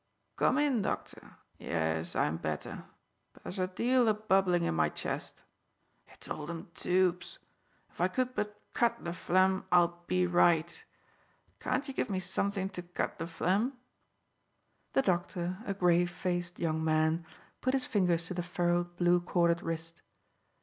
"Come in, doctor! Yes, I'm better. But there's a deal o' bubbling in my chest. It's all them toobes. If I could but cut the phlegm, I'd be right. Can't you give me something to cut the phlegm?" The doctor, a grave faced young man, put his fingers to the furrowed, blue corded wrist.